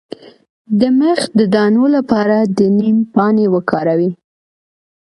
د مخ د دانو لپاره د نیم پاڼې وکاروئ